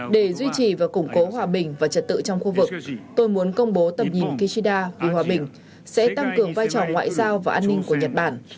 để duy trì và củng cố hòa bình và trật tự trong khu vực tôi muốn công bố tầm nhìn kida vì hòa bình sẽ tăng cường vai trò ngoại giao và an ninh của nhật bản